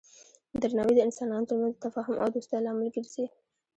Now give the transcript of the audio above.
درناوی د انسانانو ترمنځ د تفاهم او دوستی لامل ګرځي.